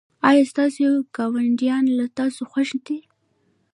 ایا ستاسو ګاونډیان له تاسو خوښ دي؟